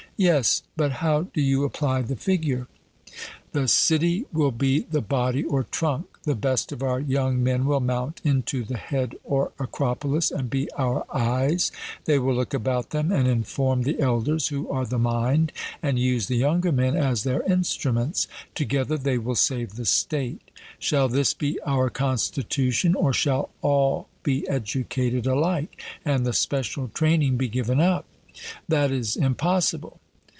'Yes, but how do you apply the figure?' The city will be the body or trunk; the best of our young men will mount into the head or acropolis and be our eyes; they will look about them, and inform the elders, who are the mind and use the younger men as their instruments: together they will save the state. Shall this be our constitution, or shall all be educated alike, and the special training be given up? 'That is impossible.'